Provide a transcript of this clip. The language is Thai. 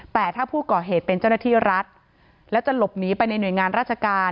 แต่ถ้าผู้ก่อเหตุเป็นเจ้าหน้าที่รัฐแล้วจะหลบหนีไปในหน่วยงานราชการ